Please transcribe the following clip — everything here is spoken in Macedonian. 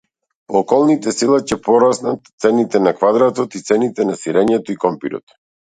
По околните села ќе пораснат цените на квадратот и цените на сирењето и компирот.